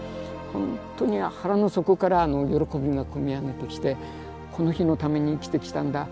ほんとに腹の底から喜びが込み上げてきてこの日のために生きてきたんだ